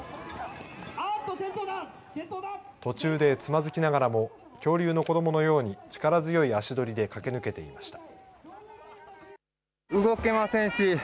途中でつまずきながらも恐竜の子どものように力強い足取りで駆け抜けていました。